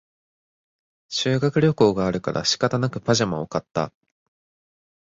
修学旅行があるから仕方なくパジャマを買った